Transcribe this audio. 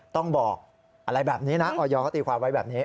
ต้องบอกอะไรแบบนี้นะออยเขาตีความไว้แบบนี้